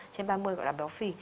trên ba mươi gọi là béo phì